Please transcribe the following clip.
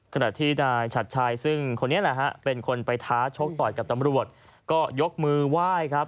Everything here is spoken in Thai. ขณะที่นายชัดชัยซึ่งคนนี้แหละฮะเป็นคนไปท้าชกต่อยกับตำรวจก็ยกมือไหว้ครับ